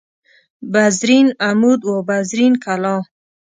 بزرین عمود و بزرین کلاه